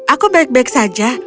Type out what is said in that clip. aku baik baik saja